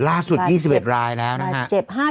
ล่าสุด๒๑รายแล้วนะฮะ